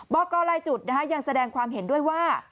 บอกกรลายจุดยังแสดงความเห็นด้วยว่า